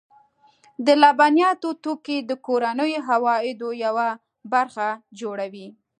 د لبنیاتو توکي د کورنیو عوایدو یوه برخه جوړوي.